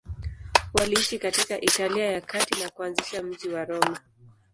Waliishi katika Italia ya Kati na kuanzisha mji wa Roma.